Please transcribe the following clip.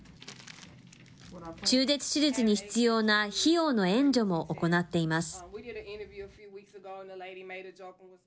中絶手術に必要な費用の援助も行っています。